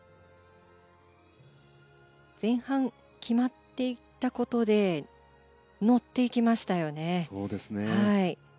前半決まっていったことで乗っていきましたよね。